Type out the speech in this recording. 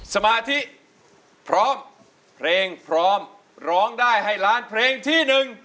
สมาธิพร้อมเพลงพร้อมร้องได้ให้ล้านเพลงที่หนึ่ง